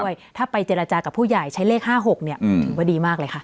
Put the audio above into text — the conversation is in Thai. ถ้าไปเจรจากับผู้ใหญ่ใช้เลข๕๖เนี่ยถือว่าดีมากเลยค่ะ